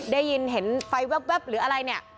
ได้ยินเห็นไฟแว๊บหรืออะไรเนี่ย